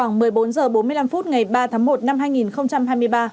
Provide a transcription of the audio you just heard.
khoảng một mươi bốn h bốn mươi năm phút ngày ba tháng một năm hai nghìn hai mươi ba